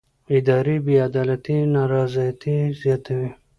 اداري بې عدالتي نارضایتي زیاتوي